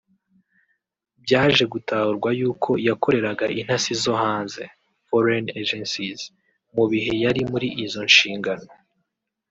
Byaje gutahurwa yuko yakoreraga intasi zo hanze (foreign agencies) mu bihe yari muri izo nshingano